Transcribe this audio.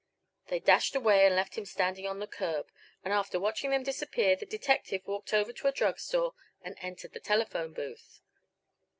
They dashed away and left him standing on the curb; and after watching them disappear the detective walked over to a drug store and entered the telephone booth.